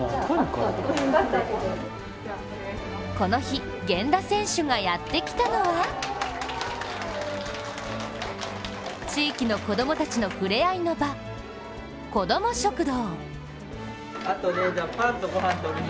この日、源田選手がやってきたのは地域の子供たちの触れ合いの場こども食堂。